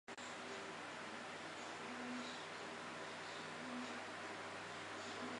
蒂茹卡斯是巴西圣卡塔琳娜州的一个市镇。